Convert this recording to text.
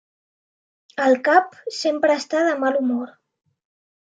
El cap sempre està de mal humor.